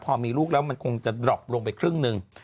พอมีลูกแล้วมันคงจะดรอปลงไปครึ่งหนึ่ง